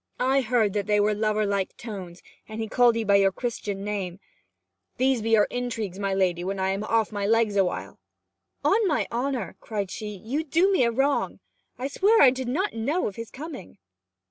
I heard that they were lover like tones, and he called 'ee by your Christian name. These be your intrigues, my lady, when I am off my legs awhile!' 'On my honour,' cried she, 'you do me a wrong. I swear I did not know of his coming!'